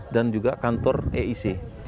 dan juga kantor aec